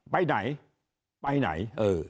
ไปไหนไปไหน